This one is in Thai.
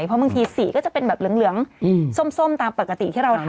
เพราะบางทีสีก็จะเป็นแบบเหลืองส้มตามปกติที่เราทำ